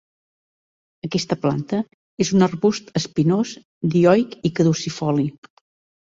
Aquesta planta és un arbust espinós, dioic i caducifoli.